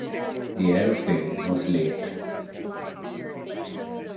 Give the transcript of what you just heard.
The aeroplane was late.